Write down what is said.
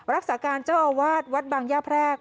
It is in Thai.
รักษาการเจ้าอาวาสวัดบางย่าแพรก